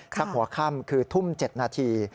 หัวค่ำคือทุ่ม๗นาที